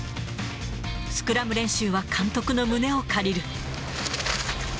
スクラム練習は監督の胸を借りる。